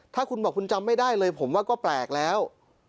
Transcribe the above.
ถ้าคุณบอกคุณจำไม่ได้เลยผมว่าก็แปลกแล้ว